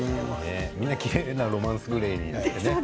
みんなきれいなロマンスグレーに。